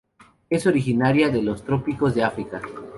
Es originaria de los trópicos de África.